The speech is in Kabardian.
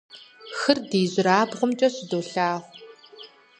Хыр ди ижьырабгъумкӀэ щыдолъагъу.